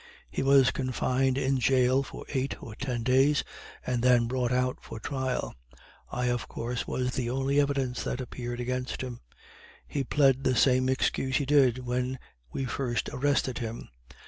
He was confined in jail for eight or ten days, and then brought out for trial. I, of course, was the only evidence that appeared against him. He plead the same excuse he did when we first arrested him.